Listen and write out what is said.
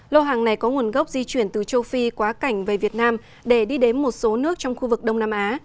lô hàng này có nguồn gốc di chuyển từ châu phi quá cảnh về việt nam để đi đến một số nước trong khu vực đông nam á